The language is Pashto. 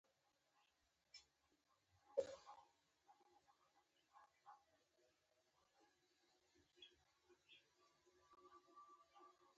غیرتمند د خوار او غریب مرسته کوي